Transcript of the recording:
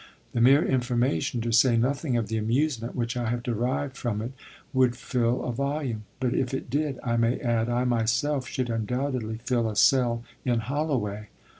The mere information to say nothing of the amusement which I have derived from it would fill a volume; but if it did, I may add, I myself should undoubtedly fill a cell in Holloway.